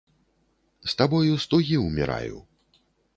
З табою з тугі ўміраю!